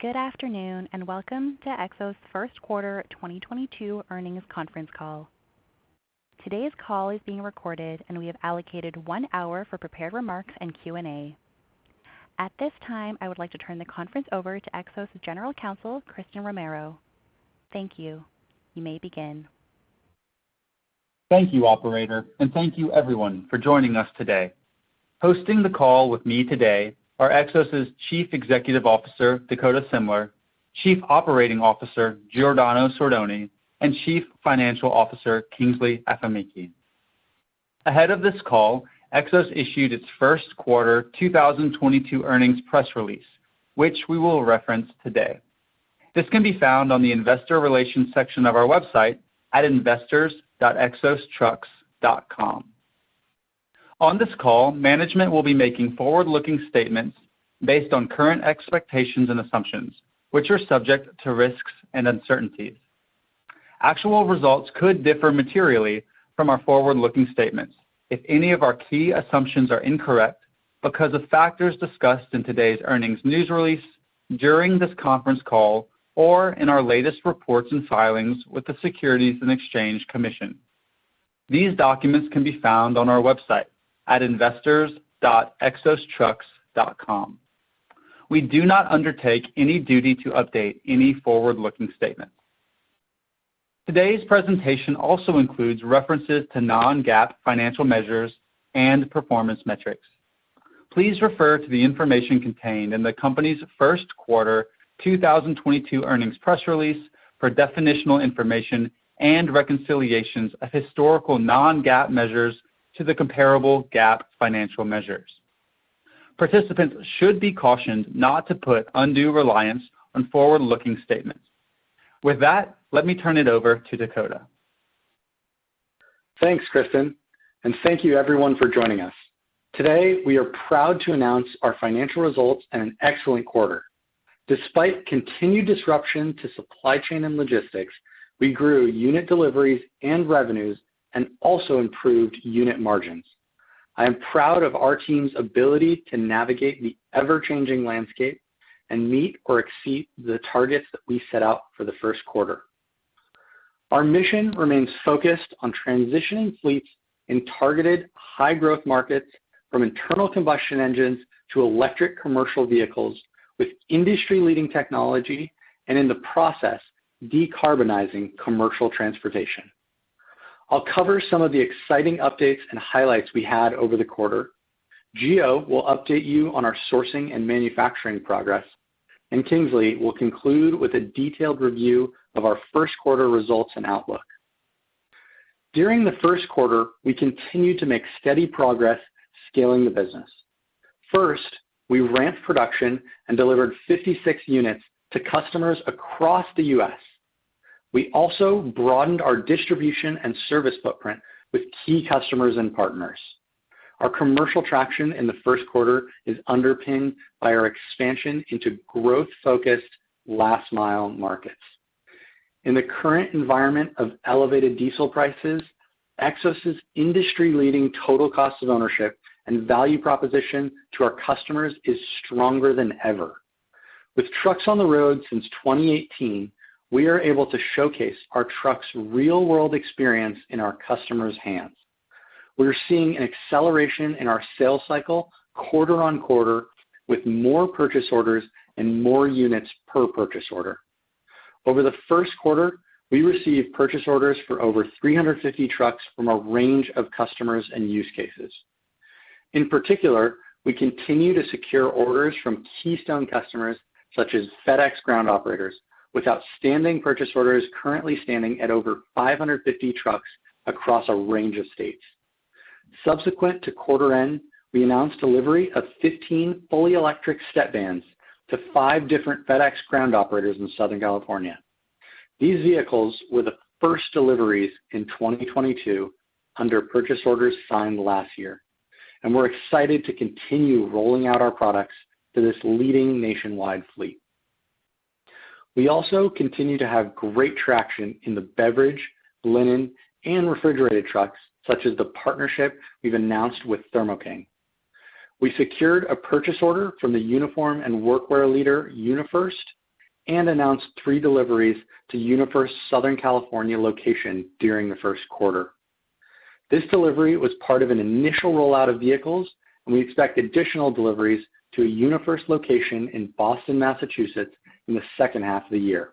Good afternoon, and welcome to Xos first quarter 2022 earnings conference call. Today's call is being recorded, and we have allocated one hour for prepared remarks and Q&A. At this time, I would like to turn the conference over to Xos General Counsel, Christen Romero. Thank you. You may begin. Thank you, operator, and thank you everyone for joining us today. Hosting the call with me today are Xos's Chief Executive Officer, Dakota Semler, Chief Operating Officer, Giordano Sordoni, and Chief Financial Officer, Kingsley Afemikhe. Ahead of this call, Xos issued its first quarter 2022 earnings press release, which we will reference today. This can be found on the investor relations section of our website at investors.xostrucks.com. On this call, management will be making forward-looking statements based on current expectations and assumptions, which are subject to risks and uncertainties. Actual results could differ materially from our forward-looking statements if any of our key assumptions are incorrect because of factors discussed in today's earnings news release, during this conference call, or in our latest reports and filings with the Securities and Exchange Commission. These documents can be found on our website at investors.xostrucks.com. We do not undertake any duty to update any forward-looking statements. Today's presentation also includes references to non-GAAP financial measures and performance metrics. Please refer to the information contained in the company's first quarter 2022 earnings press release for definitional information and reconciliations of historical non-GAAP measures to the comparable GAAP financial measures. Participants should be cautioned not to put undue reliance on forward-looking statements. With that, let me turn it over to Dakota. Thanks, Christen, and thank you everyone for joining us. Today, we are proud to announce our financial results and an excellent quarter. Despite continued disruption to supply chain and logistics, we grew unit deliveries and revenues and also improved unit margins. I am proud of our team's ability to navigate the ever-changing landscape and meet or exceed the targets that we set out for the first quarter. Our mission remains focused on transitioning fleets in targeted high-growth markets from internal combustion engines to electric commercial vehicles with industry-leading technology and, in the process, decarbonizing commercial transportation. I'll cover some of the exciting updates and highlights we had over the quarter. Giordano will update you on our sourcing and manufacturing progress, and Kingsley will conclude with a detailed review of our first quarter results and outlook. During the first quarter, we continued to make steady progress scaling the business. First, we ramped production and delivered 56 units to customers across the U.S. We also broadened our distribution and service footprint with key customers and partners. Our commercial traction in the first quarter is underpinned by our expansion into growth-focused last mile markets. In the current environment of elevated diesel prices, Xos's industry-leading total cost of ownership and value proposition to our customers is stronger than ever. With trucks on the road since 2018, we are able to showcase our trucks' real-world experience in our customers' hands. We're seeing an acceleration in our sales cycle quarter-over-quarter with more purchase orders and more units per purchase order. Over the first quarter, we received purchase orders for over 350 trucks from a range of customers and use cases. In particular, we continue to secure orders from keystone customers such as FedEx ground operators, with outstanding purchase orders currently standing at over 550 trucks across a range of states. Subsequent to quarter end, we announced delivery of 15 fully electric step vans to five different FedEx ground operators in Southern California. These vehicles were the first deliveries in 2022 under purchase orders signed last year, and we're excited to continue rolling out our products to this leading nationwide fleet. We also continue to have great traction in the beverage, linen, and refrigerated trucks, such as the partnership we've announced with Thermo King. We secured a purchase order from the uniform and workwear leader, UniFirst, and announced three deliveries to UniFirst Southern California location during the first quarter. This delivery was part of an initial rollout of vehicles, and we expect additional deliveries to a UniFirst location in Boston, Massachusetts, in the second half of the year.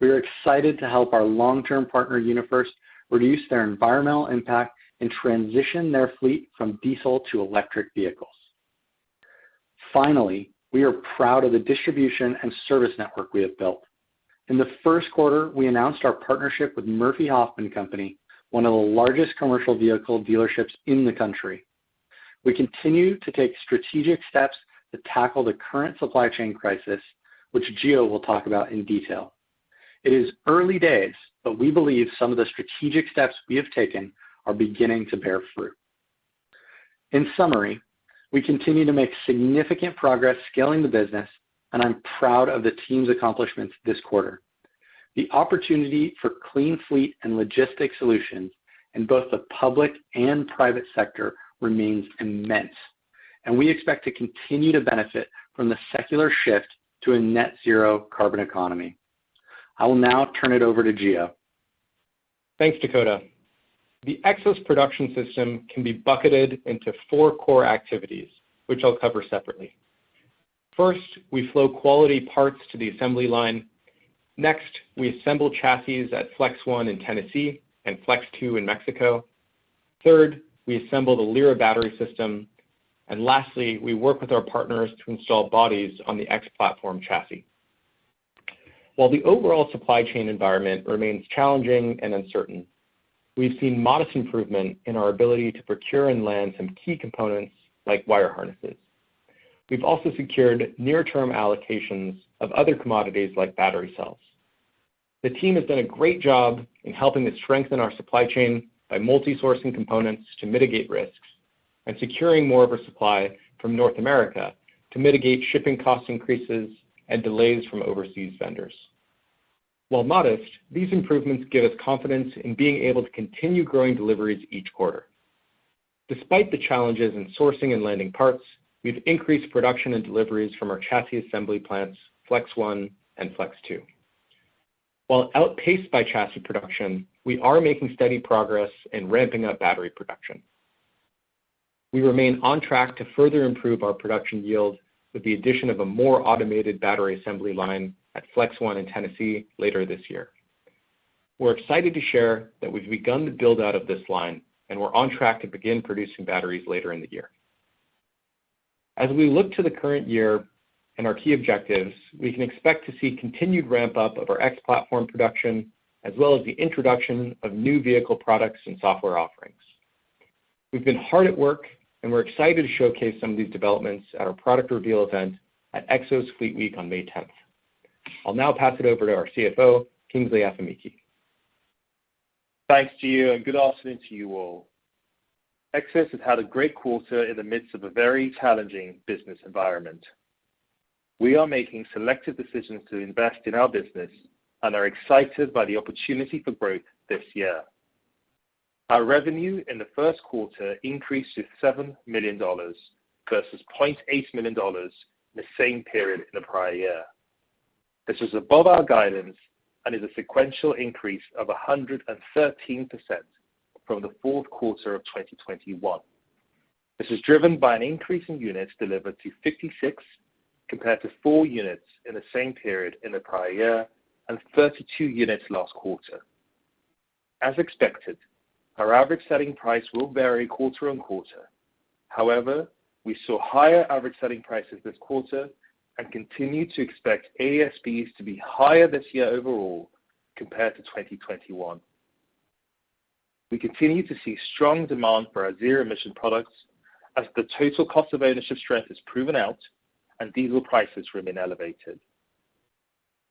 We are excited to help our long-term partner, UniFirst, reduce their environmental impact and transition their fleet from diesel to electric vehicles. Finally, we are proud of the distribution and service network we have built. In the first quarter, we announced our partnership with Murphy-Hoffman Company, one of the largest commercial vehicle dealerships in the country. We continue to take strategic steps to tackle the current supply chain crisis, which Giordano will talk about in detail. It is early days, but we believe some of the strategic steps we have taken are beginning to bear fruit. In summary, we continue to make significant progress scaling the business, and I'm proud of the team's accomplishments this quarter. The opportunity for clean fleet and logistics solutions in both the public and private sector remains immense, and we expect to continue to benefit from the secular shift to a net zero carbon economy. I will now turn it over to Giordano. Thanks, Dakota. The Xos production system can be bucketed into four core activities, which I'll cover separately. First, we flow quality parts to the assembly line. Next, we assemble chassis at Flex One in Tennessee and Flex Two in Mexico. Third, we assemble the Lyra battery system. Lastly, we work with our partners to install bodies on the X-Platform chassis. While the overall supply chain environment remains challenging and uncertain, we've seen modest improvement in our ability to procure and land some key components like wire harnesses. We've also secured near term allocations of other commodities like battery cells. The team has done a great job in helping us strengthen our supply chain by multi-sourcing components to mitigate risks and securing more of our supply from North America to mitigate shipping cost increases and delays from overseas vendors. While modest, these improvements give us confidence in being able to continue growing deliveries each quarter. Despite the challenges in sourcing and landing parts, we've increased production and deliveries from our chassis assembly plants, Flex One and Flex Two. While outpaced by chassis production, we are making steady progress in ramping up battery production. We remain on track to further improve our production yield with the addition of a more automated battery assembly line at Flex One in Tennessee later this year. We're excited to share that we've begun the build-out of this line, and we're on track to begin producing batteries later in the year. As we look to the current year and our key objectives, we can expect to see continued ramp up of our X-Platform production, as well as the introduction of new vehicle products and software offerings. We've been hard at work, and we're excited to showcase some of these developments at our product reveal event at Xos Fleet Week on May 10th. I'll now pass it over to our CFO, Kingsley Afemikhe. Thanks, Gio, and good afternoon to you all. Xos has had a great quarter in the midst of a very challenging business environment. We are making selective decisions to invest in our business and are excited by the opportunity for growth this year. Our revenue in the first quarter increased to $7 million, versus $0.8 million in the same period in the prior year. This is above our guidance and is a sequential increase of 113% from the fourth quarter of 2021. This is driven by an increase in units delivered to 56 compared to four units in the same period in the prior year and 32 units last quarter. As expected, our average selling price will vary quarter on quarter. However, we saw higher average selling prices this quarter and continue to expect ASPs to be higher this year overall compared to 2021. We continue to see strong demand for our zero emission products as the total cost of ownership strength is proven out and diesel prices remain elevated.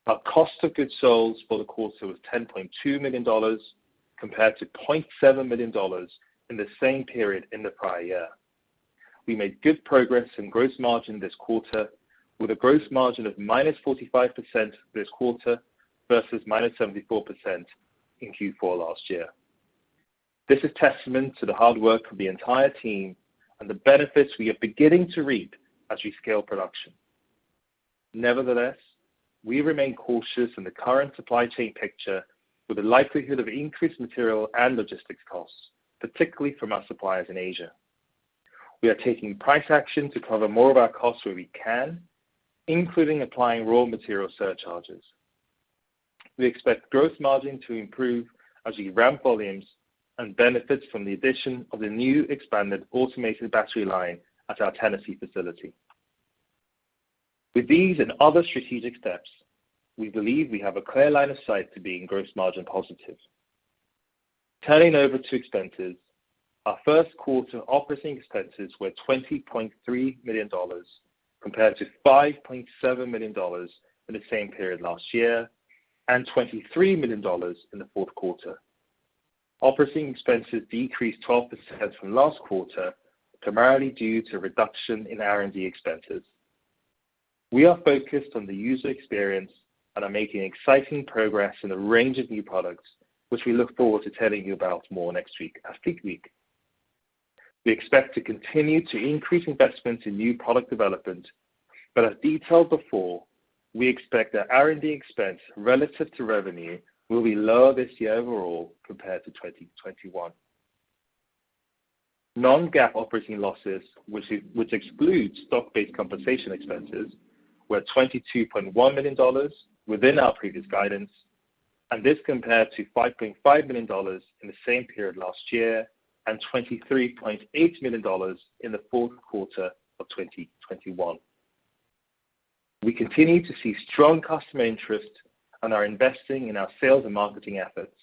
Our cost of goods sold for the quarter was $10.2 million compared to $0.7 million in the same period in the prior year. We made good progress in gross margin this quarter with a gross margin of -45% this quarter versus -74% in Q4 last year. This is testament to the hard work of the entire team and the benefits we are beginning to reap as we scale production. Nevertheless, we remain cautious in the current supply chain picture with the likelihood of increased material and logistics costs, particularly from our suppliers in Asia. We are taking price action to cover more of our costs where we can, including applying raw material surcharges. We expect growth margin to improve as we ramp volumes and benefit from the addition of the new expanded automated battery line at our Tennessee facility. With these and other strategic steps, we believe we have a clear line of sight to being gross margin positive. Turning over to expenses, our first quarter operating expenses were $20.3 million compared to $5.7 million in the same period last year, and $23 million in the fourth quarter. Operating expenses decreased 12% from last quarter, primarily due to reduction in R&D expenses. We are focused on the user experience and are making exciting progress in a range of new products, which we look forward to telling you about more next week at Fleet Week. We expect to continue to increase investment in new product development, but as detailed before, we expect that R&D expense relative to revenue will be lower this year overall compared to 2021. Non-GAAP operating losses, which excludes stock-based compensation expenses, were $22.1 million within our previous guidance. This compared to $5.5 million in the same period last year and $23.8 million in the fourth quarter of 2021. We continue to see strong customer interest and are investing in our sales and marketing efforts.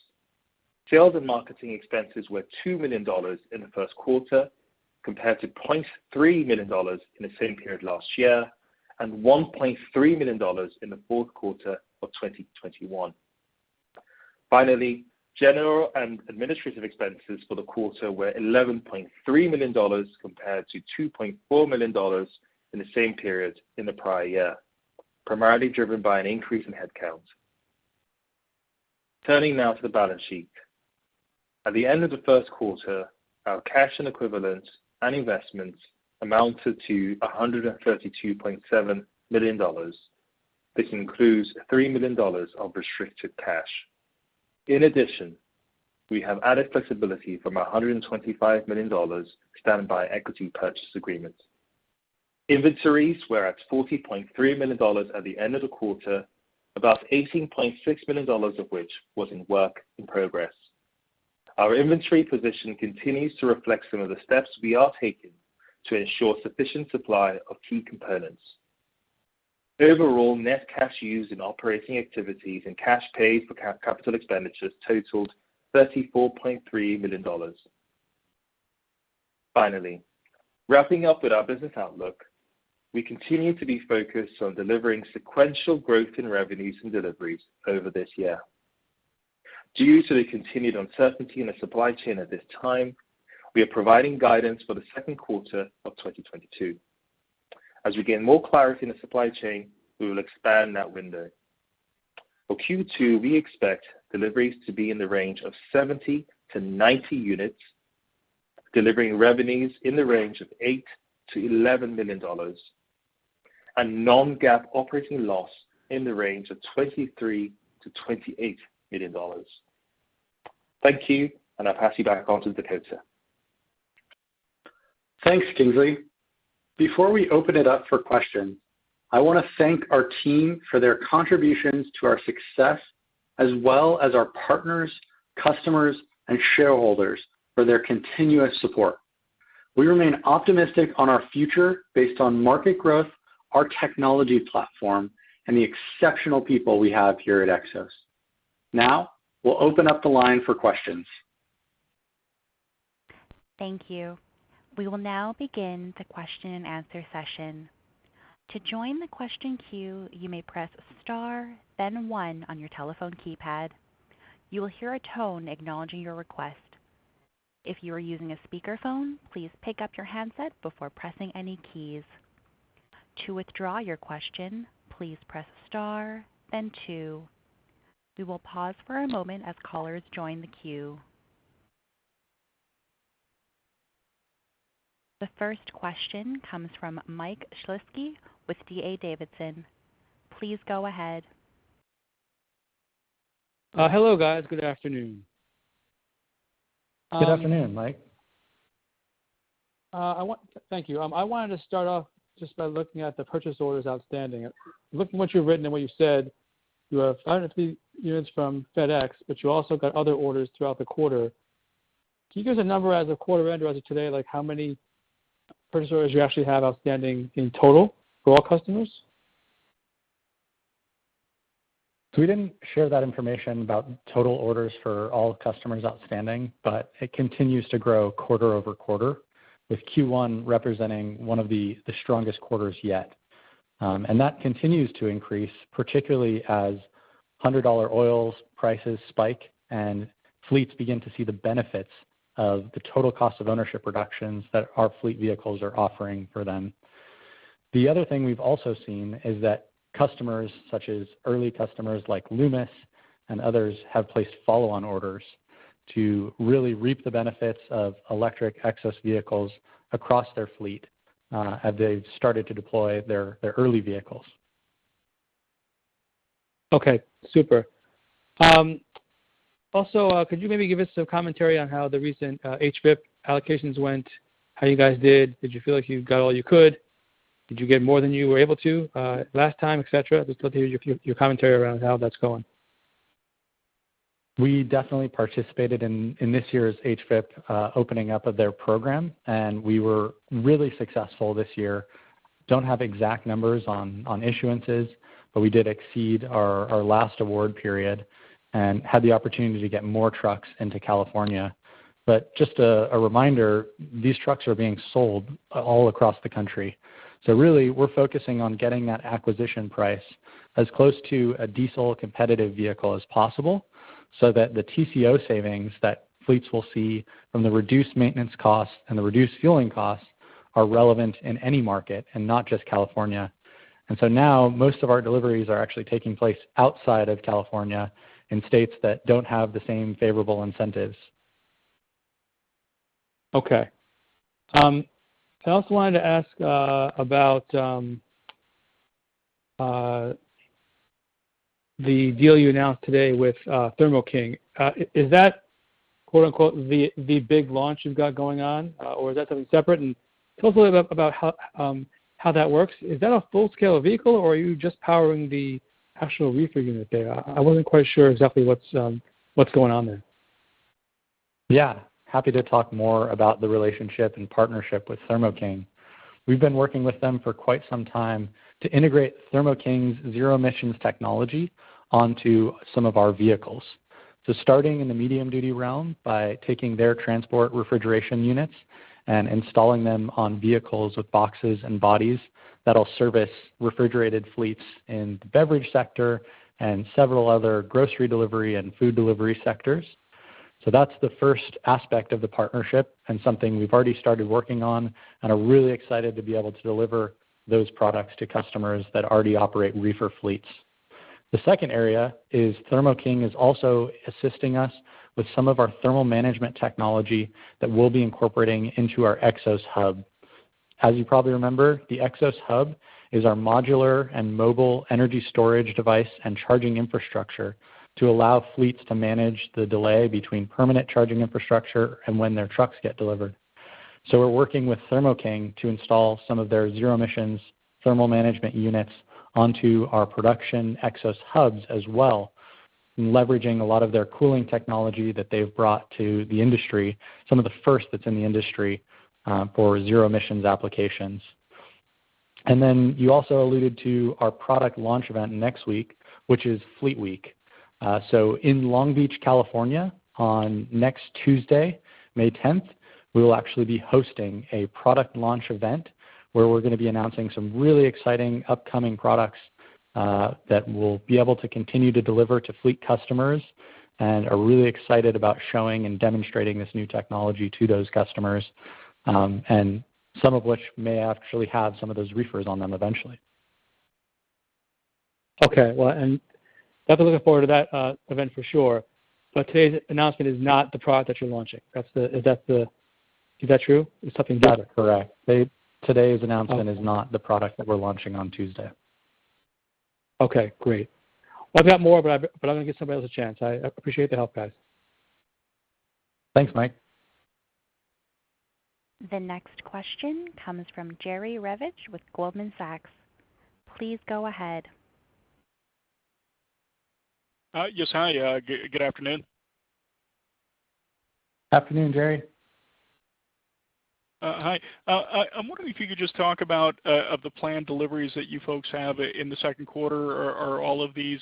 Sales and marketing expenses were $2 million in the first quarter compared to $0.3 million in the same period last year, and $1.3 million in the fourth quarter of 2021. Finally, general and administrative expenses for the quarter were $11.3 million compared to $2.4 million in the same period in the prior year, primarily driven by an increase in headcount. Turning now to the balance sheet. At the end of the first quarter, our cash and equivalents and investments amounted to $132.7 million. This includes $3 million of restricted cash. In addition, we have added flexibility from a $125 million standby equity purchase agreement. Inventories were at $40.3 million at the end of the quarter, about $18.6 million of which was in work in progress. Our inventory position continues to reflect some of the steps we are taking to ensure sufficient supply of key components. Overall, net cash used in operating activities and cash paid for capital expenditures totaled $34.3 million. Finally, wrapping up with our business outlook, we continue to be focused on delivering sequential growth in revenues and deliveries over this year. Due to the continued uncertainty in the supply chain at this time, we are providing guidance for the second quarter of 2022. As we gain more clarity in the supply chain, we will expand that window. For Q2, we expect deliveries to be in the range of 70 units-90 units, delivering revenues in the range of $8 million-$11 million, and non-GAAP operating loss in the range of $23 million-$28 million. Thank you, and I'll pass you back over to Dakota. Thanks, Kingsley. Before we open it up for questions, I want to thank our team for their contributions to our success, as well as our partners, customers, and shareholders for their continuous support. We remain optimistic on our future based on market growth, our technology platform, and the exceptional people we have here at Xos. Now, we'll open up the line for questions. Thank you. We will now begin the question and answer session. To join the question queue, you may press star then one on your telephone keypad. You will hear a tone acknowledging your request. If you are using a speakerphone, please pick up your handset before pressing any keys. To withdraw your question, please press star then two. We will pause for a moment as callers join the queue. The first question comes from Mike Shlisky with D.A. Davidson. Please go ahead. Hello, guys. Good afternoon. Good afternoon, Mike. Thank you. I wanted to start off just by looking at the purchase orders outstanding. Looking at what you've written and what you said, you have 150 units from FedEx, but you also got other orders throughout the quarter. Can you give us a number as of quarter end or as of today, like how many purchase orders you actually have outstanding in total for all customers? We didn't share that information about total orders for all customers outstanding, but it continues to grow quarter-over-quarter, with Q1 representing one of the strongest quarters yet. That continues to increase, particularly as hundred-dollar oil prices spike and fleets begin to see the benefits of the total cost of ownership reductions that our fleet vehicles are offering for them. The other thing we've also seen is that customers, such as early customers like Loomis and others, have placed follow-on orders to really reap the benefits of electric Xos vehicles across their fleet, as they've started to deploy their early vehicles. Okay, super. Also, could you maybe give us some commentary on how the recent HVIP allocations went, how you guys did? Did you feel like you got all you could? Did you get more than you were able to last time, et cetera? Just love to hear your commentary around how that's going. We definitely participated in this year's HVIP opening up of their program, and we were really successful this year. Don't have exact numbers on issuances, but we did exceed our last award period and had the opportunity to get more trucks into California. Just a reminder, these trucks are being sold all across the country. Really, we're focusing on getting that acquisition price as close to a diesel competitive vehicle as possible, so that the TCO savings that fleets will see from the reduced maintenance costs and the reduced fueling costs are relevant in any market, and not just California. Now most of our deliveries are actually taking place outside of California in states that don't have the same favorable incentives. Okay. I also wanted to ask about the deal you announced today with Thermo King. Is that, quote-unquote, the big launch you've got going on or is that something separate? Tell us a little bit about how that works. Is that a full-scale vehicle or are you just powering the actual reefer unit there? I wasn't quite sure exactly what's going on there. Yeah. Happy to talk more about the relationship and partnership with Thermo King. We've been working with them for quite some time to integrate Thermo King's zero emissions technology onto some of our vehicles. Starting in the medium duty realm by taking their transport refrigeration units and installing them on vehicles with boxes and bodies that'll service refrigerated fleets in the beverage sector and several other grocery delivery and food delivery sectors. That's the first aspect of the partnership and something we've already started working on and are really excited to be able to deliver those products to customers that already operate reefer fleets. The second area is Thermo King is also assisting us with some of our thermal management technology that we'll be incorporating into our Xos Hub. As you probably remember, the Xos Hub is our modular and mobile energy storage device and charging infrastructure to allow fleets to manage the delay between permanent charging infrastructure and when their trucks get delivered. We're working with Thermo King to install some of their zero emissions thermal management units onto our production Xos Hubs as well, leveraging a lot of their cooling technology that they've brought to the industry, some of the first that's in the industry, for zero emissions applications. Then you also alluded to our product launch event next week, which is Fleet Week. In Long Beach, California, on next Tuesday, May 10th, we will actually be hosting a product launch event where we're gonna be announcing some really exciting upcoming products that we'll be able to continue to deliver to fleet customers and are really excited about showing and demonstrating this new technology to those customers, and some of which may actually have some of those reefers on them eventually. Okay. Well, definitely looking forward to that event for sure. Today's announcement is not the product that you're launching. Is that true? Is something- That is correct. Today's announcement. Okay. This is not the product that we're launching on Tuesday. Okay, great. Well, I've got more, but I'm gonna give somebody else a chance. I appreciate the help, guys. Thanks, Mike. The next question comes from Jerry Revich with Goldman Sachs. Please go ahead. Yes. Hi, good afternoon. Afternoon, Jerry. Hi. I'm wondering if you could just talk about the planned deliveries that you folks have in the second quarter. Are all of these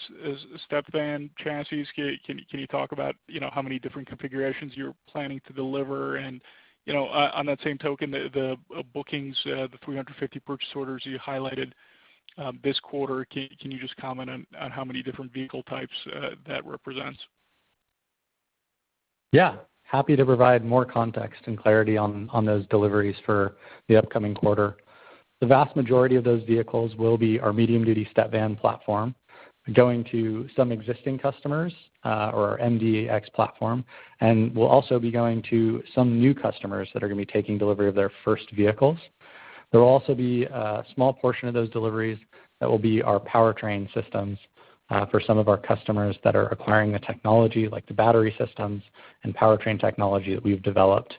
step van chassis? Can you talk about, you know, how many different configurations you're planning to deliver? You know, on that same token, the bookings, the 350 purchase orders you highlighted this quarter, can you just comment on how many different vehicle types that represents? Yeah. Happy to provide more context and clarity on those deliveries for the upcoming quarter. The vast majority of those vehicles will be our medium-duty step van platform going to some existing customers, or our MDXT platform, and will also be going to some new customers that are gonna be taking delivery of their first vehicles. There will also be a small portion of those deliveries that will be our powertrain systems, for some of our customers that are acquiring the technology, like the battery systems and powertrain technology that we've developed.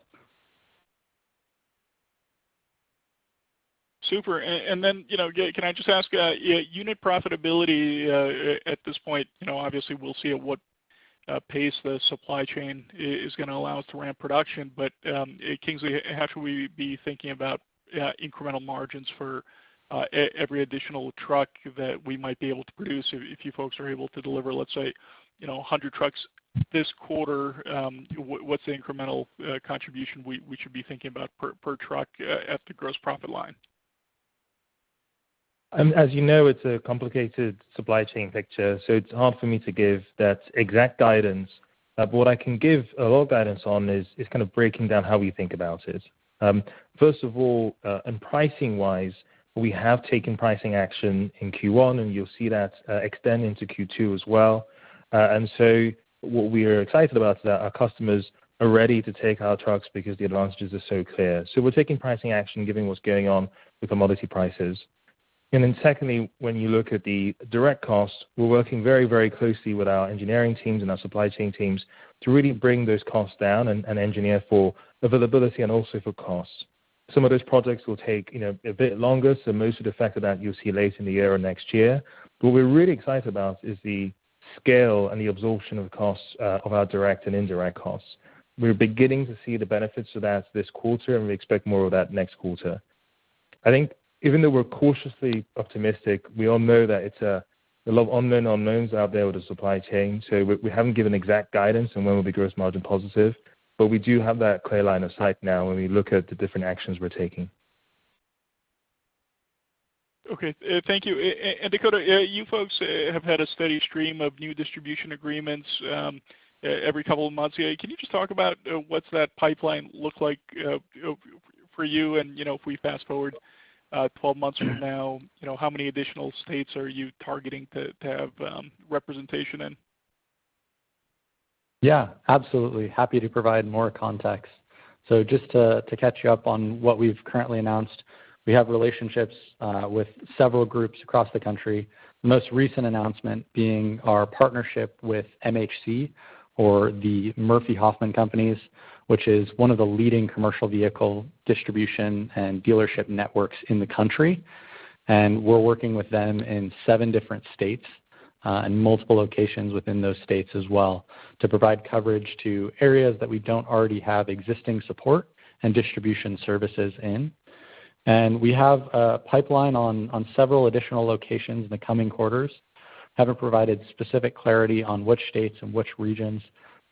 Super. Then, you know, can I just ask, unit profitability, at this point, you know, obviously we'll see at what pace the supply chain is gonna allow us to ramp production. Kingsley, how should we be thinking about incremental margins for every additional truck that we might be able to produce? If you folks are able to deliver, let's say, you know, 100 trucks this quarter, what's the incremental contribution we should be thinking about per truck at the gross profit line? As you know, it's a complicated supply chain picture, so it's hard for me to give that exact guidance. What I can give a lot of guidance on is kind of breaking down how we think about it. First of all, pricing-wise, we have taken pricing action in Q1, and you'll see that extend into Q2 as well. What we are excited about is that our customers are ready to take our trucks because the advantages are so clear. We're taking pricing action, given what's going on with commodity prices. Then secondly, when you look at the direct costs, we're working very, very closely with our engineering teams and our supply chain teams to really bring those costs down and engineer for availability and also for costs. Some of those projects will take, you know, a bit longer, so most of the effect of that you'll see later in the year or next year. What we're really excited about is the scale and the absorption of costs of our direct and indirect costs. We're beginning to see the benefits of that this quarter, and we expect more of that next quarter. I think even though we're cautiously optimistic, we all know that it's a lot of unknown unknowns out there with the supply chain, so we haven't given exact guidance on when we'll be gross margin positive, but we do have that clear line of sight now when we look at the different actions we're taking. Okay. Thank you. Dakota, you folks have had a steady stream of new distribution agreements every couple of months. Can you just talk about what's that pipeline look like, you know, for you and, you know, if we fast-forward 12 months from now, you know, how many additional states are you targeting to have representation in? Yeah, absolutely. Happy to provide more context. Just to catch you up on what we've currently announced, we have relationships with several groups across the country. Most recent announcement being our partnership with MHC or the Murphy-Hoffman Company, which is one of the leading commercial vehicle distribution and dealership networks in the country. We're working with them in seven different states and multiple locations within those states as well to provide coverage to areas that we don't already have existing support and distribution services in. We have a pipeline on several additional locations in the coming quarters. Haven't provided specific clarity on which states and which regions,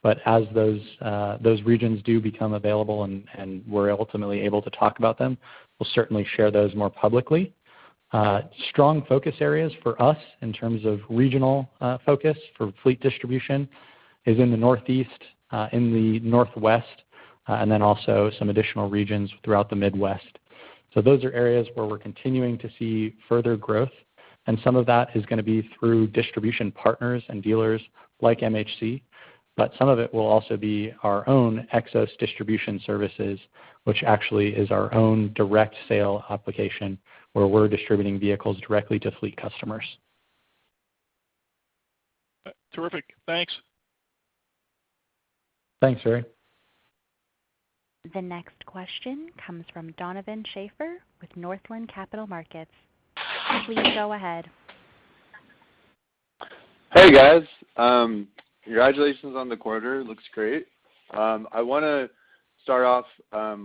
but as those regions do become available and we're ultimately able to talk about them, we'll certainly share those more publicly. Strong focus areas for us in terms of regional focus for fleet distribution is in the Northeast, in the Northwest, and then also some additional regions throughout the Midwest. Those are areas where we're continuing to see further growth, and some of that is gonna be through distribution partners and dealers like MHC, but some of it will also be our own Xos distribution services, which actually is our own direct sale application where we're distributing vehicles directly to fleet customers. Terrific. Thanks. Thanks, Eric. The next question comes from Donovan Schafer with Northland Capital Markets. Please go ahead. Hey, guys. Congratulations on the quarter. It looks great. I wanna start off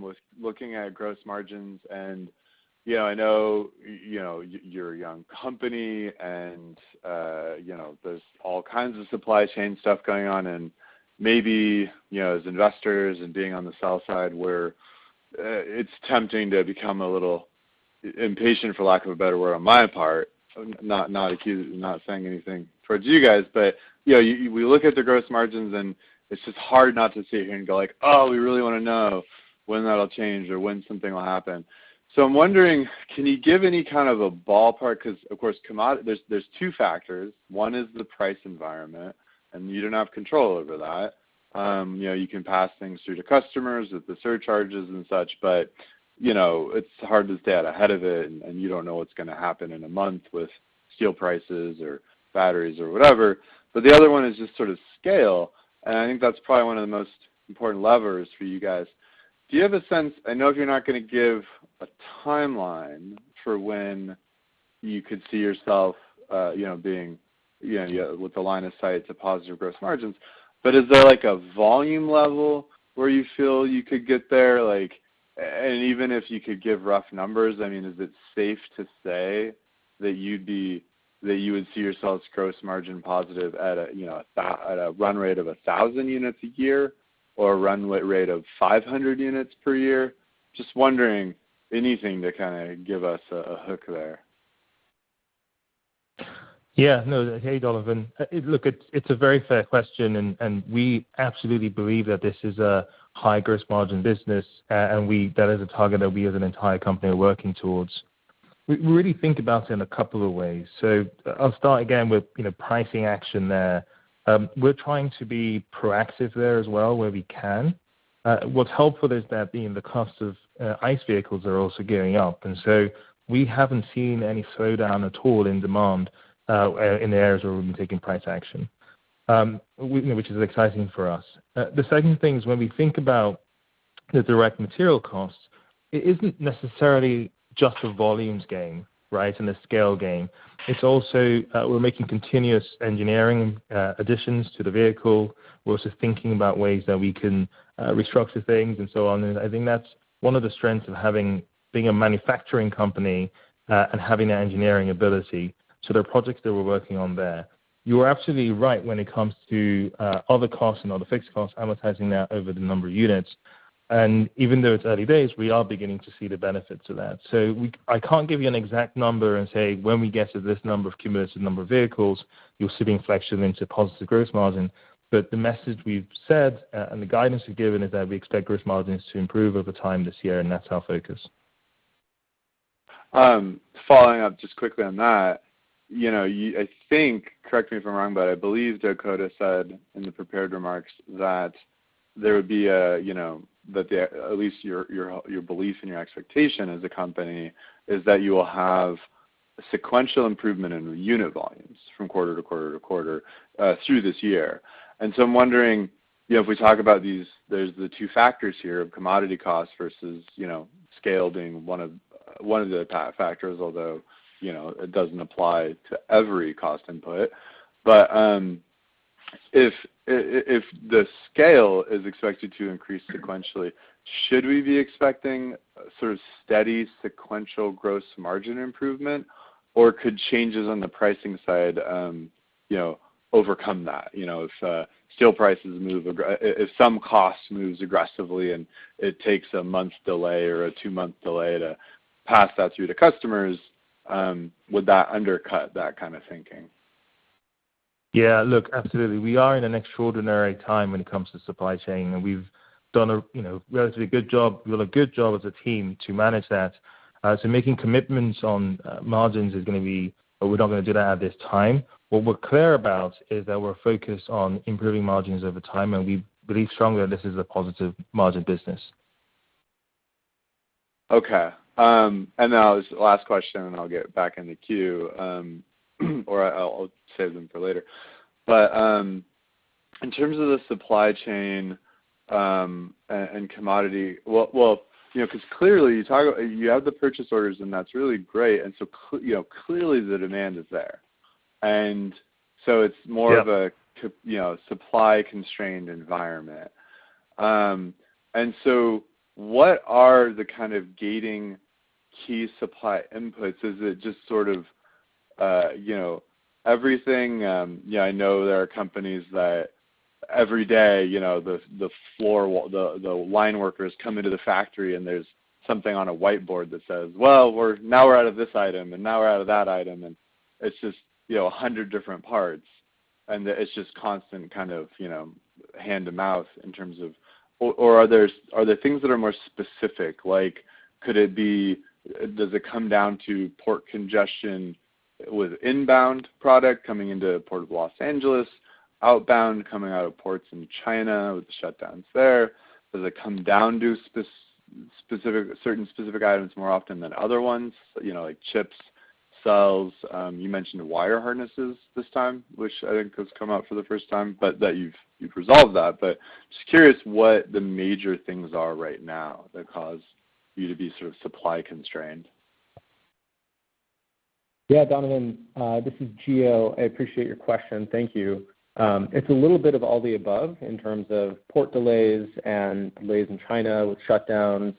with looking at gross margins. You know, I know, you know, you're a young company and, you know, there's all kinds of supply chain stuff going on. Maybe, you know, as investors and being on the south side where, it's tempting to become a little impatient, for lack of a better word, on my part, not saying anything towards you guys. You know, we look at the gross margins, and it's just hard not to sit here and go like, "Oh, we really wanna know when that'll change or when something will happen." I'm wondering, can you give any kind of a ballpark? 'Cause, of course, there's two factors. One is the price environment, and you don't have control over that. You know, you can pass things through to customers with the surcharges and such, but you know, it's hard to stay out ahead of it and you don't know what's gonna happen in a month with steel prices or batteries or whatever. The other one is just sort of scale, and I think that's probably one of the most important levers for you guys. Do you have a sense? I know you're not gonna give a timeline for when you could see yourself, you know, being, you know, with a line of sight to positive gross margins. Is there like a volume level where you feel you could get there? Like, and even if you could give rough numbers, I mean, is it safe to say that you would see yourselves gross margin positive at a, you know, at a run rate of 1,000 units a year or a run rate of 500 units per year? Just wondering anything to kinda give us a hook there. Yeah. No. Hey, Donovan. Look, it's a very fair question, and we absolutely believe that this is a high gross margin business. That is a target that we as an entire company are working towards. We really think about it in a couple of ways. I'll start again with, you know, pricing action there. We're trying to be proactive there as well where we can. What's helpful is that the cost of ICE vehicles are also going up. We haven't seen any slowdown at all in demand in the areas where we've been taking price action, which is exciting for us. The second thing is when we think about the direct material costs, it isn't necessarily just a volumes game, right, and a scale game. It's also, we're making continuous engineering additions to the vehicle. We're also thinking about ways that we can restructure things and so on. I think that's one of the strengths of being a manufacturing company, and having that engineering ability. There are projects that we're working on there. You are absolutely right when it comes to other costs and other fixed costs, amortizing that over the number of units. Even though it's early days, we are beginning to see the benefit to that. I can't give you an exact number and say, "When we get to this number of cumulative number of vehicles, you'll see the inflection into positive gross margin." The message we've said, and the guidance we've given is that we expect gross margins to improve over time this year, and that's our focus. Following up just quickly on that, you know, I think, correct me if I'm wrong, but I believe Dakota said in the prepared remarks that there would be a, you know, at least your belief and your expectation as a company is that you will have sequential improvement in unit volumes from quarter to quarter to quarter through this year. I'm wondering, you know, if we talk about these, there's the two factors here of commodity costs versus, you know, scale being one of the factors, although, you know, it doesn't apply to every cost input. If the scale is expected to increase sequentially, should we be expecting sort of steady sequential gross margin improvement, or could changes on the pricing side, you know, overcome that? You know, if some cost moves aggressively and it takes a month's delay or a two-month delay to pass that through to customers, would that undercut that kind of thinking? Yeah. Look, absolutely. We are in an extraordinary time when it comes to supply chain, and we've done a, you know, good job as a team to manage that. So making commitments on margins is gonna be. We're not gonna do that at this time. What we're clear about is that we're focused on improving margins over time, and we believe strongly that this is a positive margin business. Okay. Now this is the last question, and I'll get back in the queue, or I'll save them for later. In terms of the supply chain, and commodity. Well, you know, 'cause clearly you have the purchase orders and that's really great, you know, clearly the demand is there. It's more- Yeah. of a you know supply-constrained environment. What are the kind of gating key supply inputs? Is it just sort of you know everything. Yeah, I know there are companies that every day you know the floor the line workers come into the factory and there's something on a whiteboard that says, "Well, we're now we're out of this item, and now we're out of that item," and it's just you know 100 different parts and it's just constant kind of you know hand to mouth in terms of. Or are there things that are more specific like could it be. Does it come down to port congestion with inbound product coming into Port of Los Angeles, outbound coming out of ports in China with the shutdowns there? Does it come down to spec-specific, certain specific items more often than other ones, you know, like chips, cells? You mentioned wire harnesses this time, which I think has come out for the first time, but that you've resolved that. Just curious what the major things are right now that cause you to be sort of supply constrained. Yeah, Donovan, this is Giordano. I appreciate your question. Thank you. It's a little bit of all the above in terms of port delays and delays in China with shutdowns.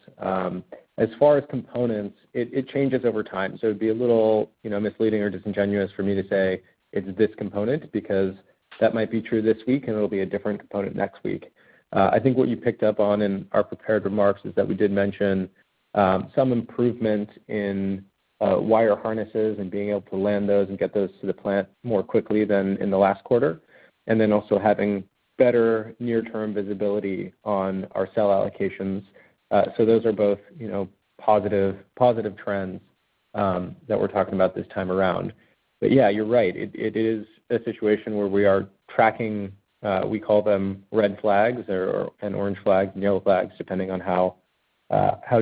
As far as components, it changes over time, so it'd be a little, you know, misleading or disingenuous for me to say it's this component because that might be true this week, and it'll be a different component next week. I think what you picked up on in our prepared remarks is that we did mention some improvement in wire harnesses and being able to land those and get those to the plant more quickly than in the last quarter, and then also having better near-term visibility on our cell allocations. So those are both, you know, positive trends that we're talking about this time around. Yeah, you're right. It is a situation where we are tracking, we call them red flags or and orange flags and yellow flags, depending on how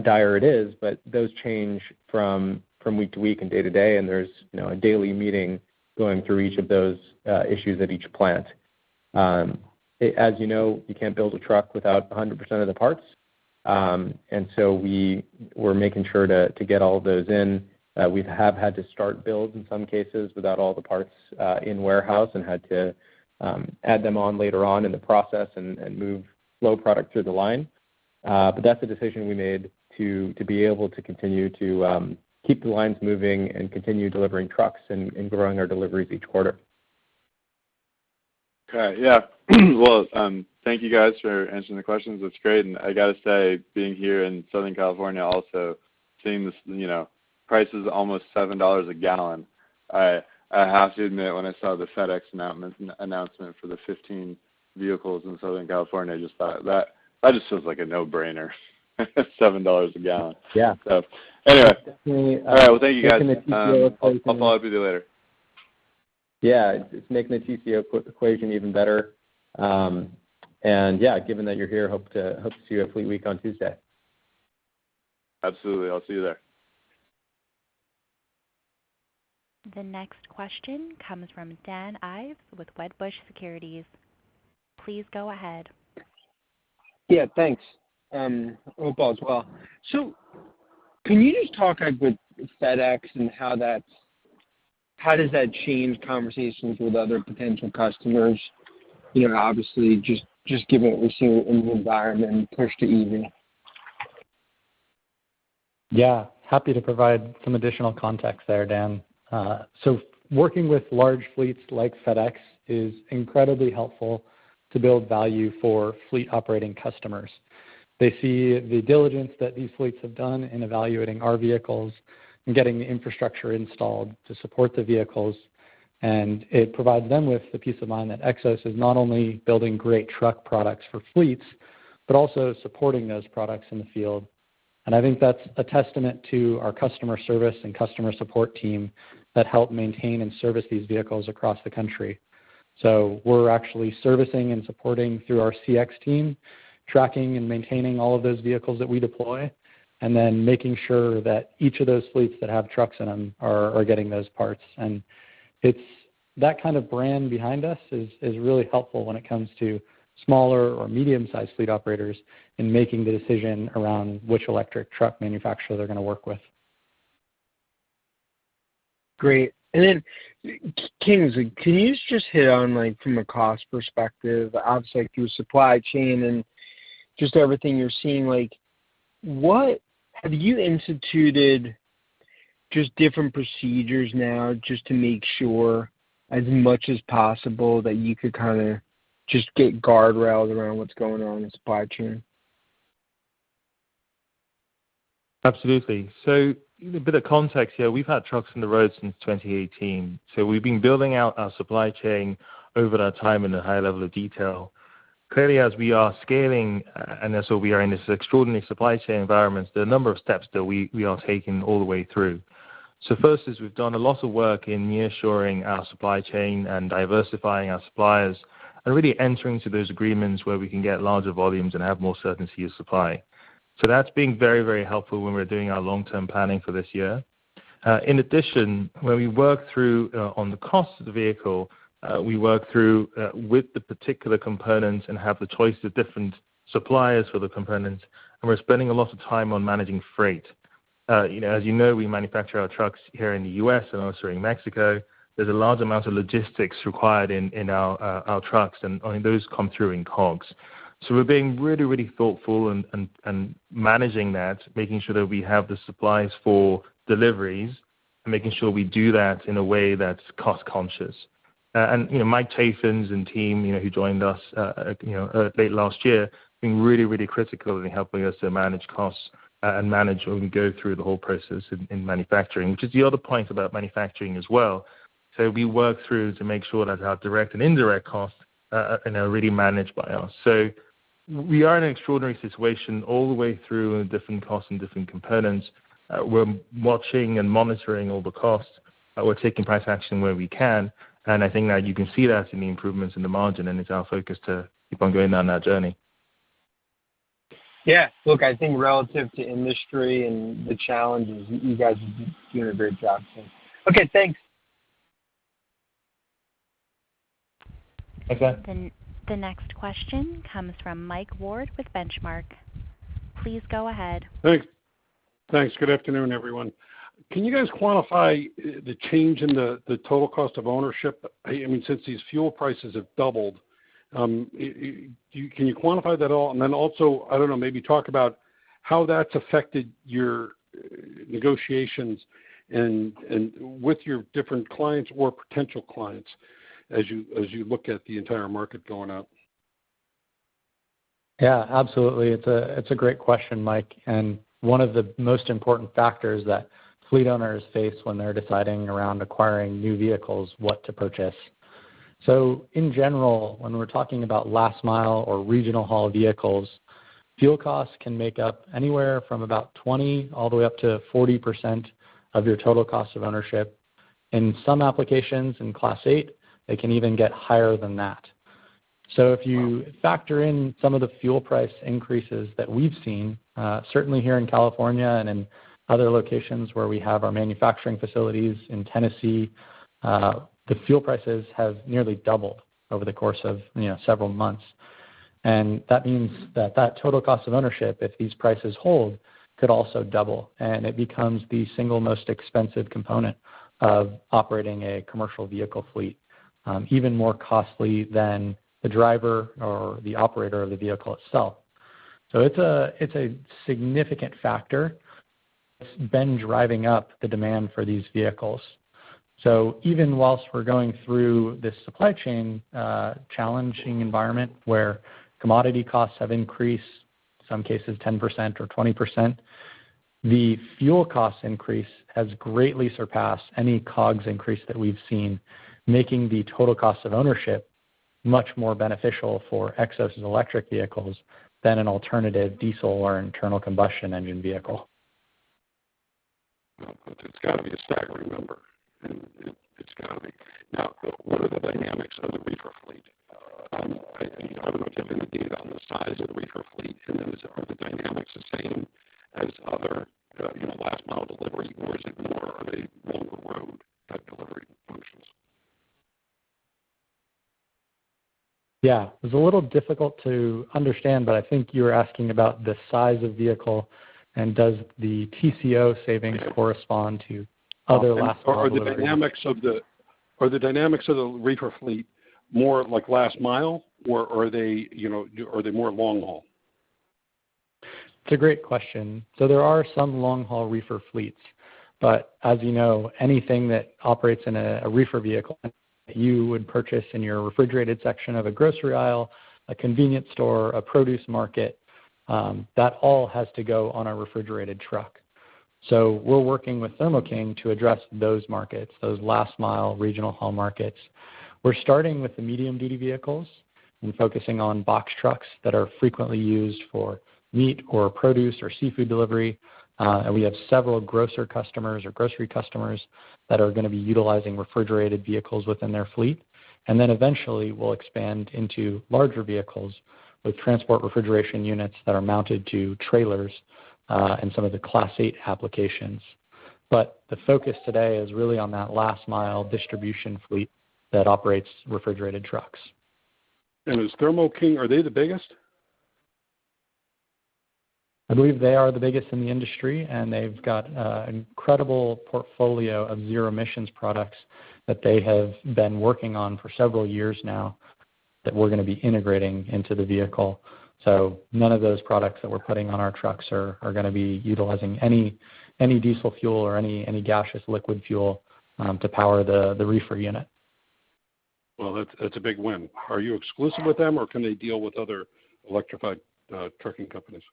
dire it is, but those change from week to week and day to day, and there's, you know, a daily meeting going through each of those issues at each plant. As you know, you can't build a truck without 100% of the parts. We're making sure to get all those in. We have had to start builds in some cases without all the parts in warehouse and had to add them on later on in the process and move flow product through the line. That's a decision we made to be able to continue to keep the lines moving and continue delivering trucks and growing our deliveries each quarter. Okay. Yeah. Well, thank you guys for answering the questions. That's great. I gotta say, being here in Southern California also, seeing this, you know, prices almost $7 a gallon, I have to admit, when I saw the FedEx announcement for the 15 vehicles in Southern California, I just thought that just feels like a no-brainer. $7 a gallon. Yeah. Anyway. All right. Well, thank you guys. Definitely making the TCO equation. I'll follow up with you later. Yeah. It's making the TCO equation even better. Yeah, given that you're here, hope to see you at Fleet Week on Tuesday. Absolutely. I'll see you there. The next question comes from Dan Ives with Wedbush Securities. Please go ahead. Yeah, thanks. Opal as well. Can you just talk like with FedEx and how does that change conversations with other potential customers? You know, obviously just given what we're seeing in the environment and push to EV. Yeah. Happy to provide some additional context there, Dan. So working with large fleets like FedEx is incredibly helpful to build value for fleet operating customers. They see the diligence that these fleets have done in evaluating our vehicles and getting the infrastructure installed to support the vehicles, and it provides them with the peace of mind that Xos is not only building great truck products for fleets but also supporting those products in the field. I think that's a testament to our customer service and customer support team that help maintain and service these vehicles across the country. We're actually servicing and supporting through our CX team, tracking and maintaining all of those vehicles that we deploy, and then making sure that each of those fleets that have trucks in them are getting those parts. That kind of brand behind us is really helpful when it comes to smaller or medium-sized fleet operators in making the decision around which electric truck manufacturer they're gonna work with. Great. Kingsley, can you just hit on like from a cost perspective, obviously like through supply chain and just everything you're seeing, like what have you instituted just different procedures now just to make sure as much as possible that you could kinda just get guardrails around what's going on in supply chain? Absolutely. A little bit of context here. We've had trucks on the road since 2018, so we've been building out our supply chain over that time in a high level of detail. Clearly, as we are scaling, and so we are in this extraordinary supply chain environment, there are a number of steps that we are taking all the way through. First is we've done a lot of work in nearshoring our supply chain and diversifying our suppliers and really entering into those agreements where we can get larger volumes and have more certainty of supply. That's been very, very helpful when we're doing our long-term planning for this year. In addition, when we work through the cost of the vehicle with the particular components and have the choice of different suppliers for the components, and we're spending a lot of time on managing freight. You know, as you know, we manufacture our trucks here in the U.S. and also in Mexico. There's a large amount of logistics required in our trucks and those come through in COGS. We're being really thoughtful and managing that, making sure that we have the supplies for deliveries and making sure we do that in a way that's cost conscious. You know, Mike Tafens and team, you know, who joined us late last year, been really critical in helping us to manage costs and manage when we go through the whole process in manufacturing, which is the other point about manufacturing as well. We work through to make sure that our direct and indirect costs are really managed by us. We are in an extraordinary situation all the way through in different costs and different components. We're watching and monitoring all the costs. We're taking price action where we can, and I think that you can see that in the improvements in the margin, and it's our focus to keep on going on that journey. Yeah. Look, I think relative to industry and the challenges, you guys are doing a great job, so. Okay, thanks. Okay. The next question comes from Mike Ward with Benchmark. Please go ahead. Thanks. Thanks. Good afternoon, everyone. Can you guys quantify the change in the total cost of ownership? I mean, since these fuel prices have doubled, can you quantify that at all? Also, I don't know, maybe talk about how that's affected your negotiations and with your different clients or potential clients as you look at the entire market going up. Yeah, absolutely. It's a great question, Mike, and one of the most important factors that fleet owners face when they're deciding around acquiring new vehicles what to purchase. In general, when we're talking about last mile or regional haul vehicles, fuel costs can make up anywhere from about 20% all the way up to 40% of your total cost of ownership. In some applications, in Class 8, they can even get higher than that. If you factor in some of the fuel price increases that we've seen, certainly here in California and in other locations where we have our manufacturing facilities in Tennessee, the fuel prices have nearly doubled over the course of, you know, several months. That means that total cost of ownership, if these prices hold, could also double, and it becomes the single most expensive component of operating a commercial vehicle fleet, even more costly than the driver or the operator of the vehicle itself. It's a significant factor. It's been driving up the demand for these vehicles. Even while we're going through this supply chain challenging environment where commodity costs have increased in some cases 10% or 20%, the fuel cost increase has greatly surpassed any COGS increase that we've seen, making the total cost of ownership much more beneficial for Xos's electric vehicles than an alternative diesel or internal combustion engine vehicle. Well, it's gotta be a staggering number, and it's gotta be. Now, what are the dynamics of the reefer fleet? I mean, I don't know if you have any data on the size of the reefer fleet, and then are the dynamics the same as other, you know, last mile delivery, or is it more of a longer road type delivery functions? Yeah. It was a little difficult to understand, but I think you were asking about the size of vehicle and does the TCO savings... Yeah. correspond to other last-mile delivery. Are the dynamics of the reefer fleet more like last mile, or are they, you know, are they more long haul? It's a great question. There are some long haul reefer fleets, but as you know, anything that operates in a reefer vehicle you would purchase in your refrigerated section of a grocery aisle, a convenience store, a produce market, that all has to go on a refrigerated truck. We're working with Thermo King to address those markets, those last mile regional haul markets. We're starting with the medium duty vehicles and focusing on box trucks that are frequently used for meat or produce or seafood delivery, and we have several grocer customers or grocery customers that are gonna be utilizing refrigerated vehicles within their fleet. Then eventually we'll expand into larger vehicles with transport refrigeration units that are mounted to trailers, and some of the Class 8 applications. The focus today is really on that last mile distribution fleet that operates refrigerated trucks. Is Thermo King the biggest? I believe they are the biggest in the industry, and they've got an incredible portfolio of zero emissions products that they have been working on for several years now that we're gonna be integrating into the vehicle. None of those products that we're putting on our trucks are gonna be utilizing any diesel fuel or any gaseous liquid fuel to power the reefer unit. Well, that's a big win. Are you exclusive with them, or can they deal with other electrified trucking companies?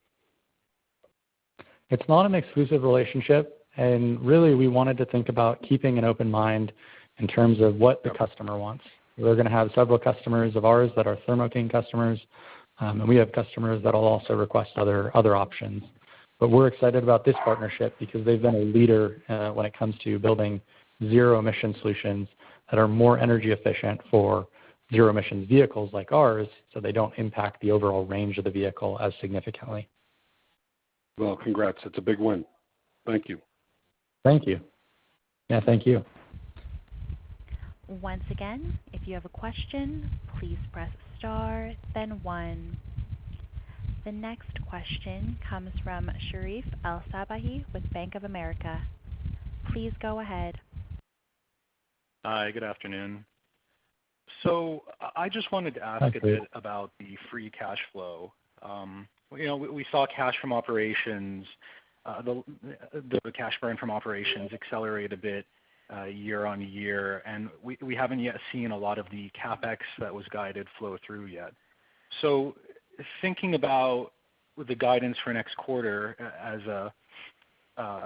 It's not an exclusive relationship, and really we wanted to think about keeping an open mind in terms of what the customer wants. We're gonna have several customers of ours that are Thermo King customers, and we have customers that'll also request other options. But we're excited about this partnership because they've been a leader when it comes to building zero emission solutions that are more energy efficient for zero emission vehicles like ours, so they don't impact the overall range of the vehicle as significantly. Well, congrats. It's a big win. Thank you. Thank you. Yeah, thank you. Once again, if you have a question, please press star then one. The next question comes from Sherif El-Sabbahy with Bank of America. Please go ahead. Hi, good afternoon. I just wanted to ask. Hi, Sherif. A bit about the free cash flow. You know, we saw cash from operations, the cash burn from operations accelerate a bit, year-over-year, and we haven't yet seen a lot of the CapEx that was guided flow through yet. Thinking about the guidance for next quarter as a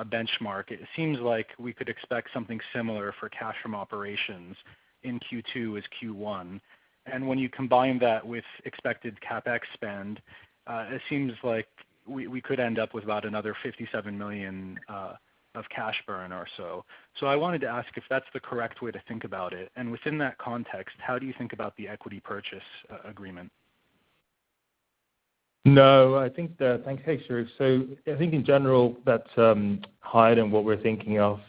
benchmark, it seems like we could expect something similar for cash from operations in Q2 as Q1. When you combine that with expected CapEx spend, it seems like we could end up with about another $57 million of cash burn or so. I wanted to ask if that's the correct way to think about it. Within that context, how do you think about the equity purchase agreement? No, I think. Thanks. Hey, Sherif. I think in general that's higher than what we're thinking of.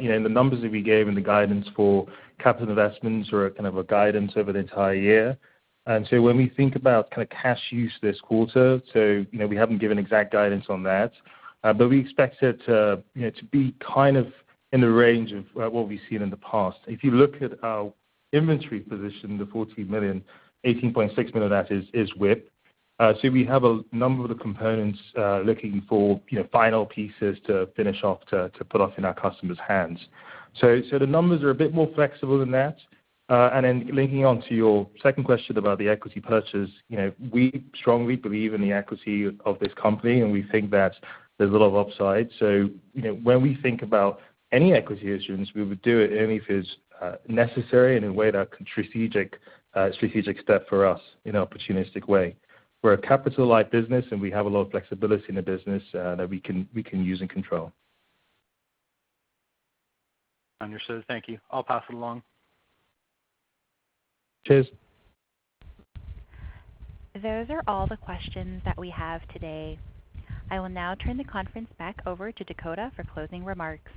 You know, the numbers that we gave and the guidance for capital investments are a kind of a guidance over the entire year. When we think about kind of cash use this quarter, you know, we haven't given exact guidance on that, but we expect it to, you know, to be kind of in the range of what we've seen in the past. If you look at our inventory position, the $40 million, $18.6 million of that is WIP. So we have a number of the components looking for, you know, final pieces to finish off to put in our customers' hands. The numbers are a bit more flexible than that. Linking on to your second question about the equity purchase. You know, we strongly believe in the equity of this company, and we think that there's a lot of upside. You know, when we think about any equity issuance, we would do it only if it's necessary and in a way that strategic step for us in an opportunistic way. We're a capital light business, and we have a lot of flexibility in the business that we can use and control. Understood. Thank you. I'll pass it along. Cheers. Those are all the questions that we have today. I will now turn the conference back over to Dakota for closing remarks.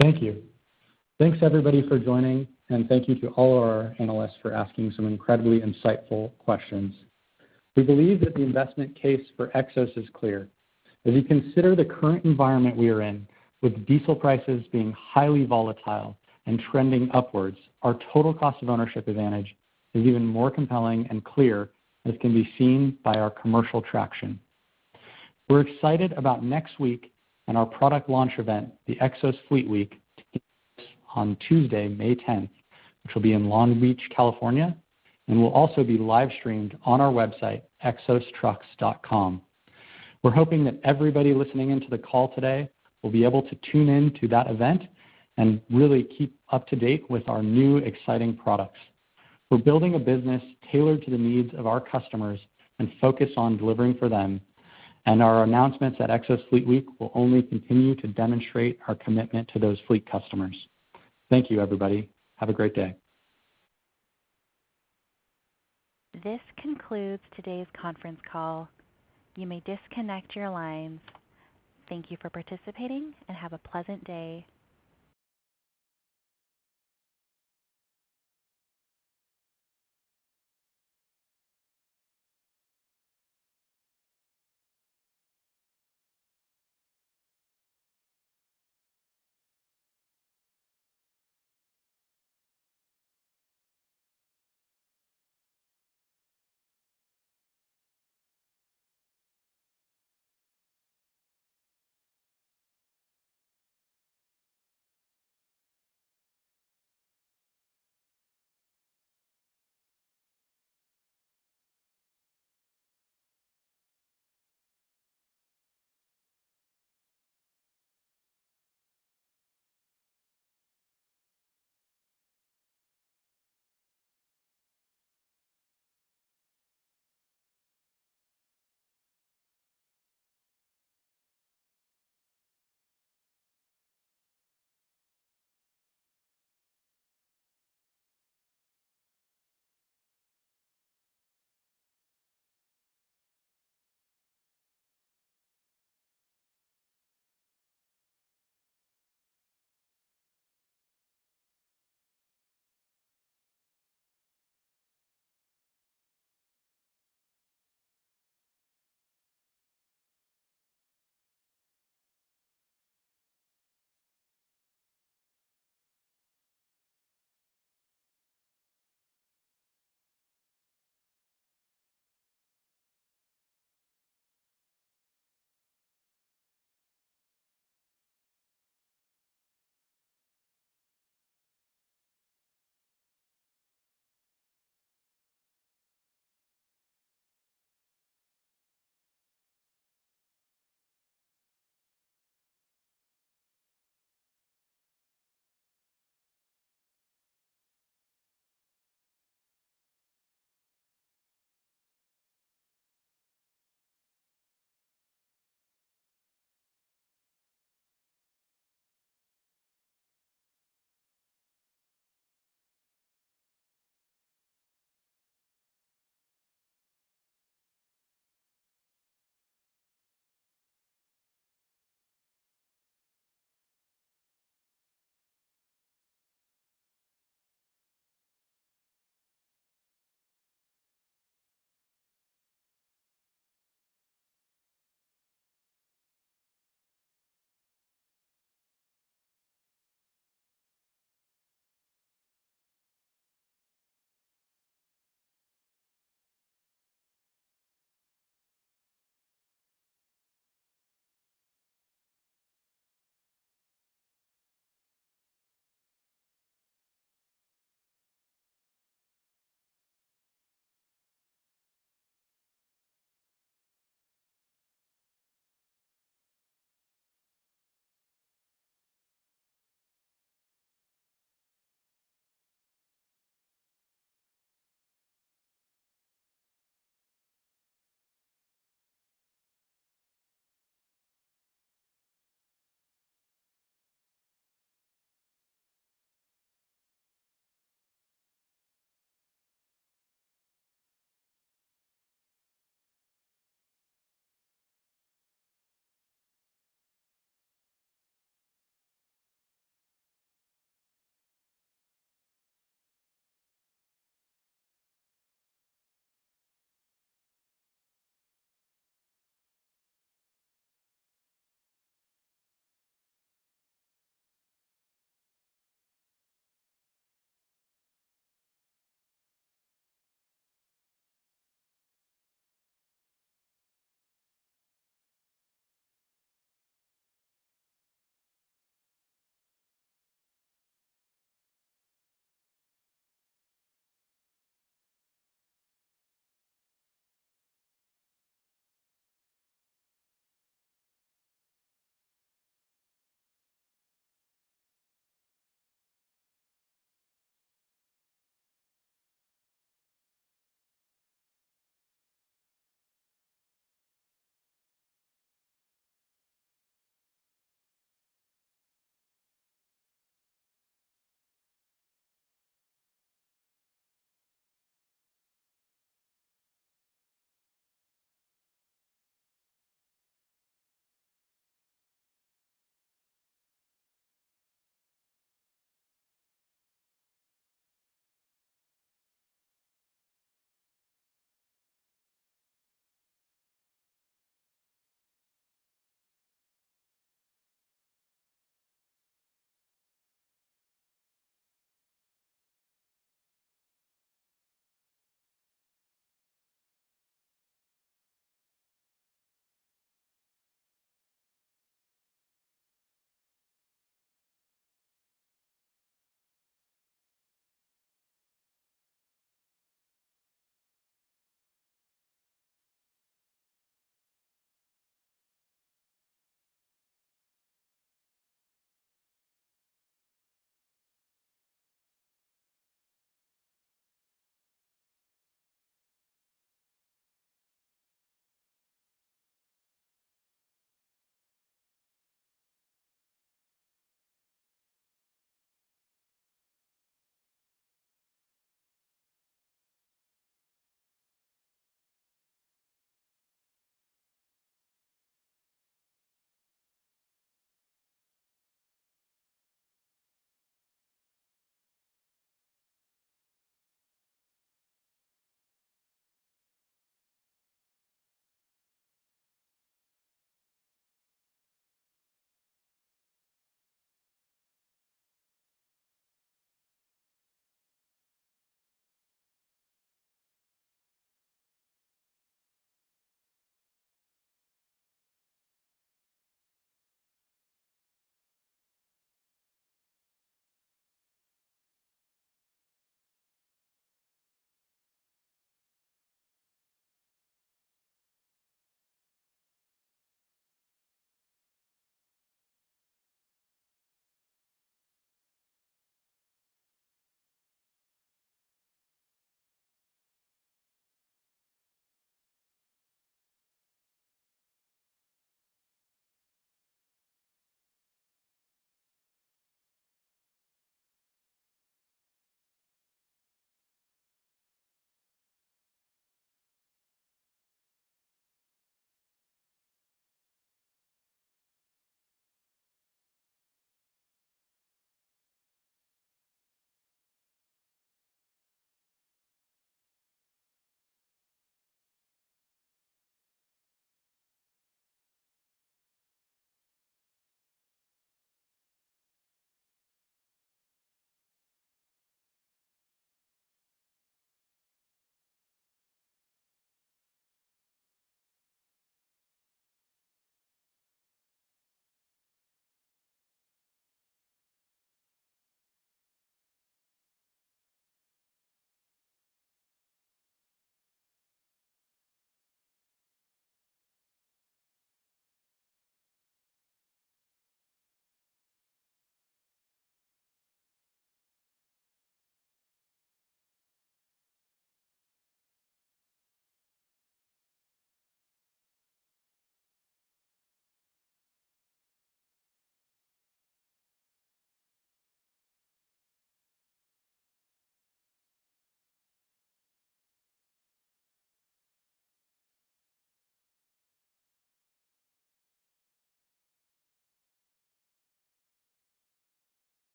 Thank you. Thanks everybody for joining, and thank you to all our analysts for asking some incredibly insightful questions. We believe that the investment case for Xos is clear. As you consider the current environment we are in, with diesel prices being highly volatile and trending upwards, our total cost of ownership advantage is even more compelling and clear, as can be seen by our commercial traction. We're excited about next week and our product launch event, the Xos Fleet Week, to be on Tuesday, May 10th, which will be in Long Beach, California, and will also be live streamed on our website, xostrucks.com. We're hoping that everybody listening in to the call today will be able to tune in to that event and really keep up to date with our new exciting products. We're building a business tailored to the needs of our customers and focused on delivering for them. Our announcements at Xos Fleet Week will only continue to demonstrate our commitment to those fleet customers. Thank you everybody. Have a great day. This concludes today's conference call. You may disconnect your lines. Thank you for participating, and have a pleasant day.